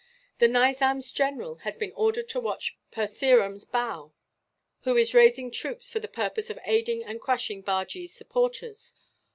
The Nizam's general has been ordered to watch Purseram Bhow, who is raising troops for the purpose of aiding in crushing Bajee's supporters.